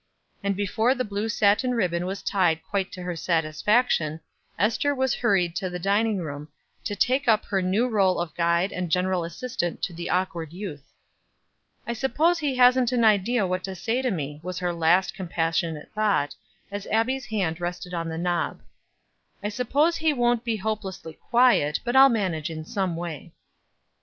And before the blue satin ribbon was tied quite to her satisfaction, Ester was hurried to the dining room, to take up her new role of guide and general assistant to the awkward youth. "I suppose he hasn't an idea what to say to me," was her last compassionate thought, as Abbie's hand rested on the knob. "I hope he won't be hopelessly quiet, but I'll manage in some way."